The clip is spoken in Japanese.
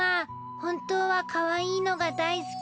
本当はかわいいのが大好き。